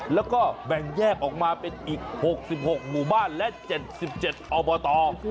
แล้วก็แบ่งแยกออกมาเป็นอีก๖๖หมู่บ้านและ๗๗อบต